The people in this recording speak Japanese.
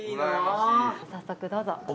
早速どうぞ。